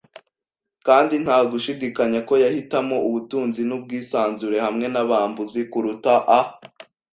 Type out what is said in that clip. kandi ntagushidikanya ko yahitamo ubutunzi nubwisanzure hamwe nabambuzi kuruta a